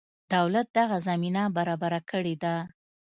دولت دغه زمینه برابره کړې ده.